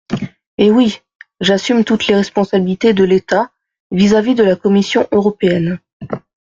Eh oui ! J’assume toutes les responsabilités de l’État vis-à-vis de la Commission européenne.